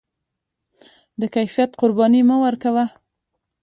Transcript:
د کیفیت قرباني مه ورکوه.